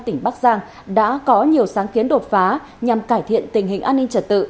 tỉnh bắc giang đã có nhiều sáng kiến đột phá nhằm cải thiện tình hình an ninh trật tự